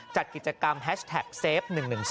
จัดกิจกรรมแฮชแท็กเซฟ๑๑๒